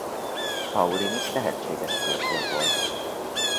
Paulinus tehetséges költő volt.